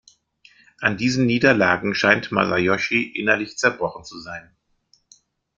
An diesen Niederlagen scheint Masayoshi innerlich zerbrochen zu sein.